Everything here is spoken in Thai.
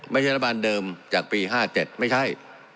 รัฐบาลเดิมจากปี๕๗ไม่ใช่